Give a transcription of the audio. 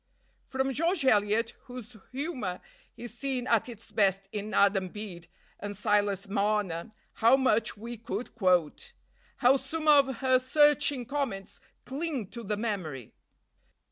From George Eliot, whose humor is seen at its best in "Adam Bede" and "Silas Marner," how much we could quote! How some of her searching comments cling to the memory!